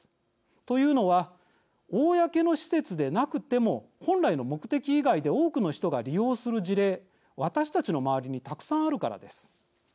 というのは、公の施設でなくても本来の目的以外で多くの人が利用する事例私たちの回りにたくさんあるからです。